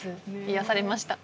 癒やされました。